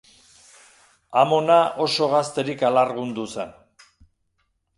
Amona oso gazterik alargundu zen.